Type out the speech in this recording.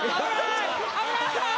危ない！